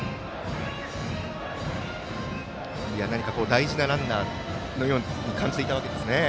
大事なランナーのように感じていたわけですね。